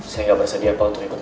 saya gak bersedia pak untuk ikut